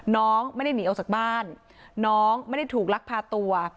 น้องไม่ได้หนีออกจากบ้านน้องไม่ได้ถูกลักพาตัว